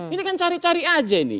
ini kan cari cari saja ini